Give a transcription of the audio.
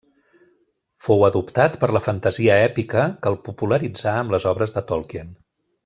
Fou adoptat per la fantasia èpica que el popularitzà amb les obres de Tolkien.